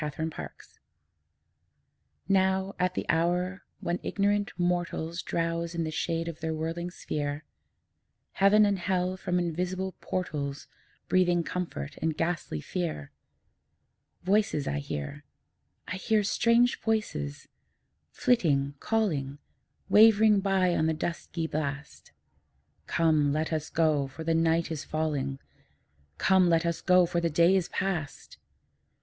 TWILIGHT VOICES Now, at the hour when ignorant mortals Drowse in the shade of their whirling sphere, Heaven and Hell from invisible portals Breathing comfort and ghastly fear, Voices I hear; I hear strange voices, flitting, calling, Wavering by on the dusky blast, 'Come, let us go, for the night is falling; Come, let us go, for the day is past!'